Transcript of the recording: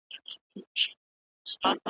ته به سیوری د رقیب وهې په توره .